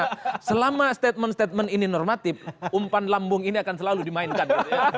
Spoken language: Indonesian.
karena selama statement statement ini normatif umpan lambung ini akan selalu dimainkan